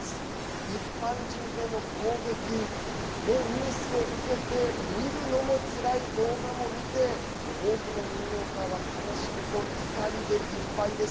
一般人への攻撃のニュースを受けて見るのもつらい動画を見て多くのニューヨーカーは悲しみと怒りでいっぱいです。